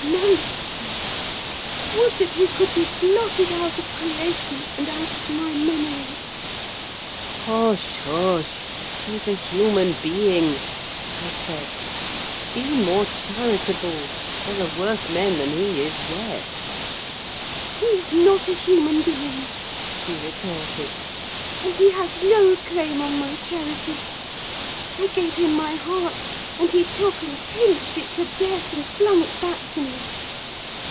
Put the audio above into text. Monster! would that he could be blotted out of creation, and out of my memory!" "Hush, hush! He's a human being," I said. "Be more charitable: there are worse men than he is yet!" "He's not a human being," she retorted; "and he has no claim on my charity. I gave him my heart, and he took and pinched it to death, and flung it back to me.